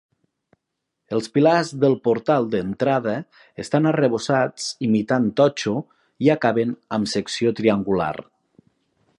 Els pilars del portal d'entrada estan arrebossats imitant totxo i acaben amb secció triangular.